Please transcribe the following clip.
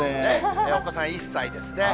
お子さん１歳ですね。